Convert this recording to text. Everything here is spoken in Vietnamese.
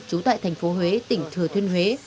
chú tại thành phố huế tỉnh thừa thuyên huế